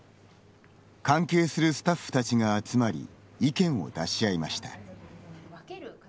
関係するスタッフたちが集まり意見を出し合いました。